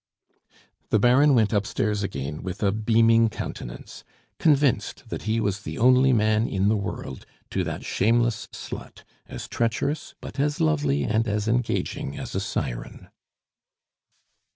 The Baron went upstairs again with a beaming countenance, convinced that he was the only man in the world to that shameless slut, as treacherous, but as lovely and as engaging as a siren.